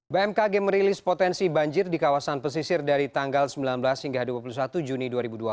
bmkg merilis potensi banjir di kawasan pesisir dari tanggal sembilan belas hingga dua puluh satu juni dua ribu dua puluh